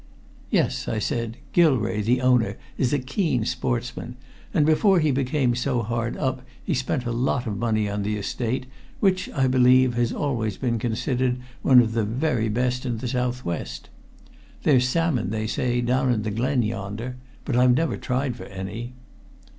"Yes," I said. "Gilrae, the owner, is a keen sportsman, and before he became so hard up he spent a lot of money on the estate, which, I believe, has always been considered one of the very best in the southwest. There's salmon, they say, down in the Glen yonder but I've never tried for any."